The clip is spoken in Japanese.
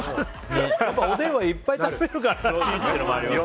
おでんはいっぱい食べるからいいっていうのもありますけど。